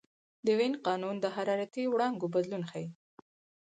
د وین قانون د حرارتي وړانګو بدلون ښيي.